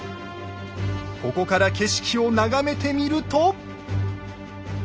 ここから景色を眺めてみると。